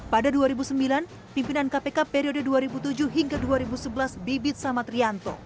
pada dua ribu sembilan pimpinan kpk periode dua ribu tujuh hingga dua ribu sebelas bibit samatrianto